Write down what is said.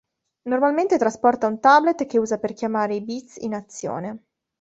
Normalmente trasporta un tablet che usa per chiamare i bits in azione.